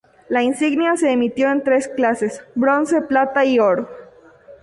La insignia se emitió en tres clases: bronce, plata y oro.